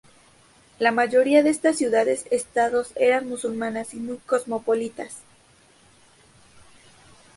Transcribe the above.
La mayoría de estas ciudades estados eran musulmanas y muy cosmopolitas.